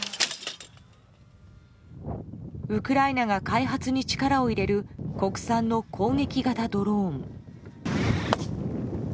ウクライナが開発に力を入れる国産の攻撃型ドローン。